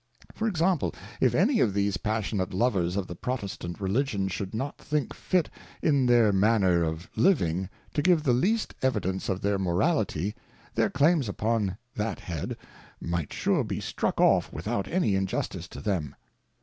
For example, if any of these passionate Lovers of the Protestant Religion should not think fit, in their manner of Living, to give the least evidence of their Morality, their claims upon that Head might sure be struck off without any Injustice to them.